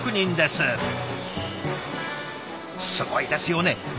すごいですよね。